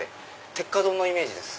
鉄火丼のイメージです。